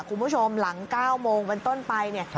คุณผู้ชมหลัง๙โมงบันต้นไป